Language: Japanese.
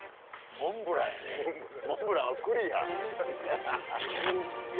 モンブランは栗や。